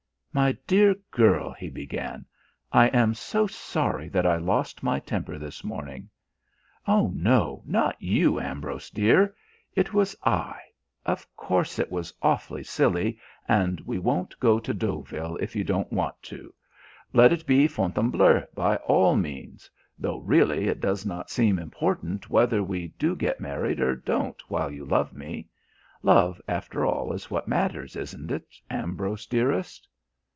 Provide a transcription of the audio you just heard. "My dear girl," he began, "I am so sorry that I lost my temper this morning " "Oh, no not you, Ambrose dear. It was I of course it was awfully silly and we won't go to Deauville if you don't want to. Let it be Fontainebleau by all means though really, it does not seem important whether we do get married or don't while you love me. Love after all is what matters, isn't it, Ambrose dearest?"